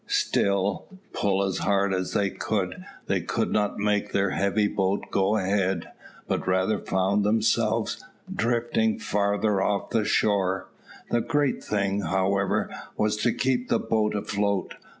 Still, pull as hard as they could, they could not make their heavy boat go ahead, but rather found themselves drifting farther off the shore. The great thing, however, was to keep the boat afloat.